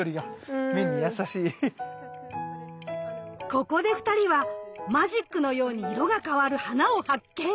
ここで２人はマジックのように色が変わる花を発見！